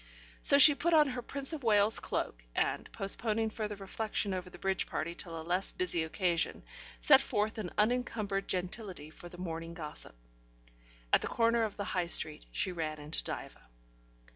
So she put on her Prince of Wales's cloak, and, postponing further reflection over the bridge party till a less busy occasion, set forth in unencumbered gentility for the morning gossip. At the corner of the High Street, she ran into Diva.